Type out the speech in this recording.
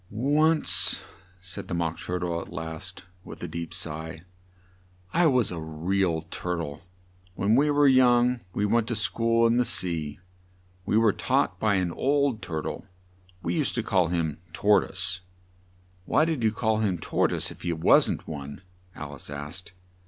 "Once," said the Mock Tur tle at last, with a deep sigh, "I was a re al Tur tle. When we were young we went to school in the sea. We were taught by an old Tur tle we used to call him Tor toise " "Why did you call him Tor toise, if he wasn't one?" Al ice asked.